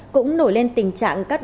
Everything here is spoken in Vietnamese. cũng nổi lên tình trạng các đối chối